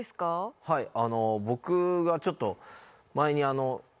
はい僕がちょっと前に。